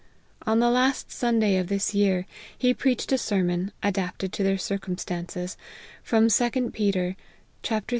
On the last Sunday of this year he preached a sermon, adapted to their circumstances, from 2 Pet, iii, 11.